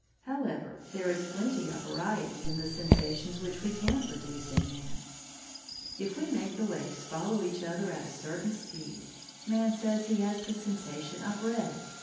However, there is plenty of variety in the sensations which we can produce in man. If we make the waves follow each other at a certain speed, man says he has the sensation of red.